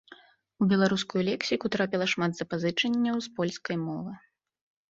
У беларускую лексіку трапіла шмат запазычанняў з польскай мовы.